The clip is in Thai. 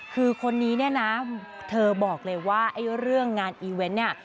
คือคนนี้เนี่ยนะเธอบอกเลยว่าไอ้เรื่องงานอีเวนต์เนี่ย